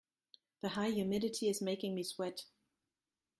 The high humidity is making me sweat.